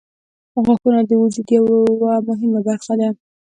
• غاښونه د وجود یوه مهمه برخه ده.